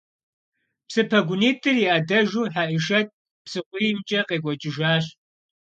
Псы пэгунитӏыр и ӏэдэжу Хьэӏишэт псыкъуиймкӏэ къекӏуэкӏыжащ.